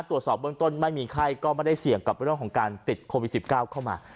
ตรวจสอบเบื้องต้นไม่มีไข้ก็ไม่ได้เสี่ยงกับเรื่องของการติดโควิด๑๙เข้ามา